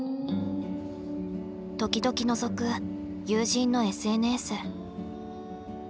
時々のぞく友人のＳＮＳ。